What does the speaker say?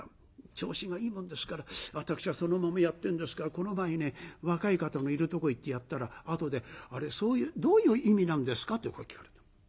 調子がいいもんですから私はそのままやってるんですがこの場合ね若い方のいるとこ行ってやったらあとで「あれどういう意味なんですか？」ってこう聞かれた。